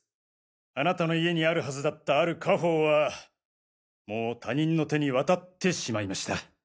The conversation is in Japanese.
あなたの家にあるはずだったある家宝はもう他人の手に渡ってしまいました。